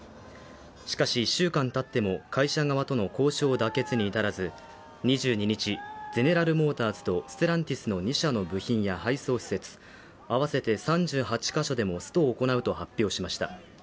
しかし１週間たっても会社側との交渉妥結に至らず２２日ゼネラルモーターズとステランティスの２社の部品や配送施設合わせて３８か所でもストを行うと発表しました